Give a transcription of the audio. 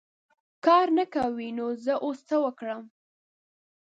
کار نه کوې ! نو زه اوس څه وکړم .